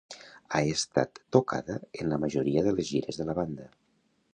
Ha estat tocada en la majoria de les gires de la banda.